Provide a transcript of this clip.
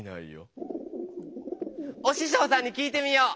おししょうさんに聞いてみよう！